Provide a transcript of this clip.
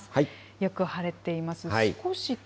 よく晴れています。